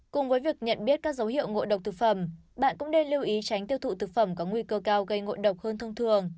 cùng với việc nhận biết các dấu hiệu ngộ độc thực phẩm bạn cũng nên lưu ý tránh tiêu thụ thực phẩm có nguy cơ cao gây ngộ độc hơn thông thường